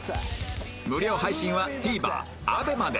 無料配信は ＴＶｅｒＡＢＥＭＡ で